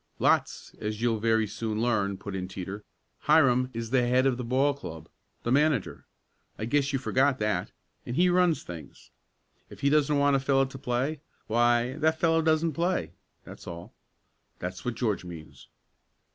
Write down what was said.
"Lots, as you'll very soon learn," put in Teeter. "Hiram is the head of the ball club the manager I guess you forgot that, and he runs things. If he doesn't want a fellow to play why, that fellow doesn't play that's all. That's what George means."